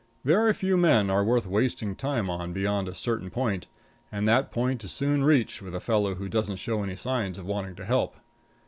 Very few men are worth wasting time on beyond a certain point, and that point is soon reached with a fellow who doesn't show any signs of wanting to help.